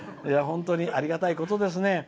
ありがたいことですね。